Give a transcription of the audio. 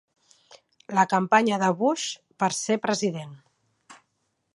La campanya de Bush per ser president.